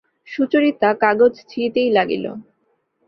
সুচরিতা কাগজ ছিঁড়িতেই লাগিল।